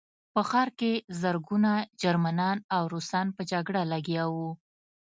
په ښار کې زرګونه جرمنان او روسان په جګړه لګیا وو